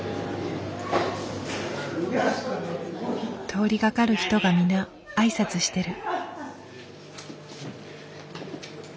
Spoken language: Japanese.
通りがかる人が皆挨拶してる。